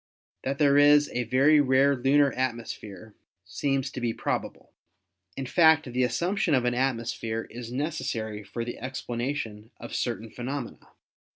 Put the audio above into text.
That there is a very rare lunar atmosphere seems to be probable. In fact, the assump tion of an atmosphere is necessary for the explanation of certain phenomena.